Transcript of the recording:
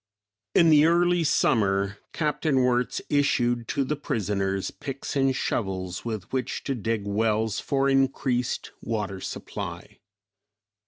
In the early summer, Capt. Wirtz issued to the prisoners picks and shovels, with which to dig wells for increased water supply.